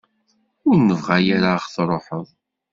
Ur nebɣa ara ad ɣ-truḥeḍ.